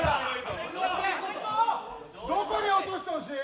どこに落としてほしい。